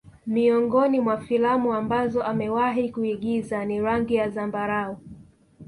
Miongoni mwa filamu ambazo amewahi kuigiza ni rangi ya zambarau